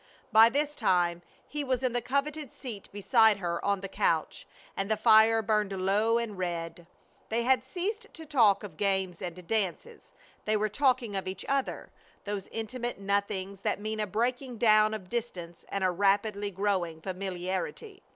By this time he was in the coveted seat beside her on the couch, and the fire burned low and red. They had ceased to talk of games and dances. They were talking of each other, those intimate nothings that mean a breaking down of distance and a rapidly growing familiarity.